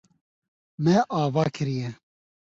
Me ava kiriye.